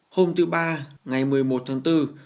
hôm thứ ba ngày một mươi một tháng bốn